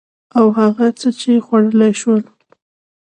او هغه څه چې خوړلي يې شول